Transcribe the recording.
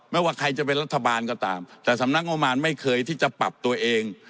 ว่าใครจะเป็นรัฐบาลก็ตามแต่สำนักงบมารไม่เคยที่จะปรับตัวเอง